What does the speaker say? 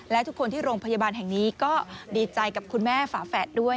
และทุกคนที่โรงพยาบาลแห่งนี้ก็ดีใจกับคุณแม่ฝาแฝดด้วย